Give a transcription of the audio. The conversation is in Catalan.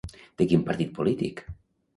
De quin partit polític?